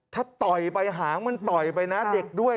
ถ้าต่อยไปหางมันต่อยไปนะเด็กด้วย